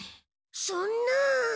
そんな。